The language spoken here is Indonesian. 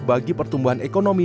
bagi pertumbuhan ekonomi